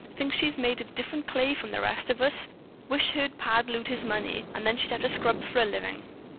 She thinks she's made of different clay from the rest of us. I wish her pa'd lose his money, so she'd have to scrub for a living."